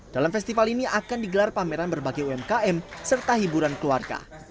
dalam festival ini akan digelar pameran berbagai umkm serta hiburan keluarga